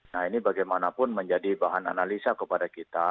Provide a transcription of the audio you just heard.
nah ini bagaimanapun menjadi bahan analisa kepada kita